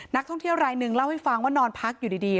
นักท่องเที่ยวรายหนึ่งเล่าให้ฟังว่านอนพักอยู่ดี